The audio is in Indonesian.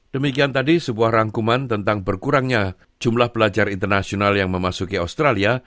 demikian tadi sebuah rangkuman tentang berkurangnya jumlah pelajar internasional yang memasuki australia